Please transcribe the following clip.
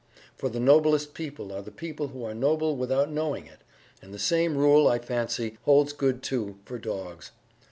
For the noblest people are the people who are noble without knowing it; and the same rule, I fancy, holds good, too, for dogs.